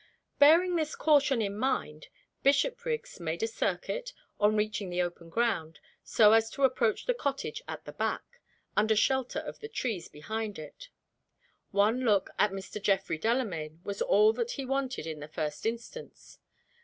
Bearing this caution in mind, Bishopriggs made a circuit, on reaching the open ground, so as to approach the cottage at the back, under shelter of the trees behind it. One look at Mr. Geoffrey Delamayn was all that he wanted in the first instance.